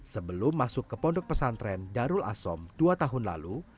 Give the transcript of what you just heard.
sebelum masuk ke pondok pesantren darul asom dua tahun lalu